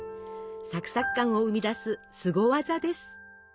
サクサク感を生み出すすご技です。